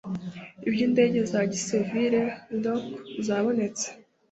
iby indege za gisiviri rcaa zabonetse